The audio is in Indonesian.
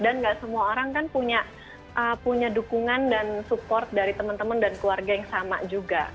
dan nggak semua orang kan punya dukungan dan support dari teman teman dan keluarga yang sama juga